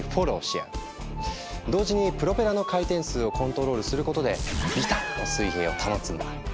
同時にプロペラの回転数をコントロールすることでビタッと水平を保つんだ。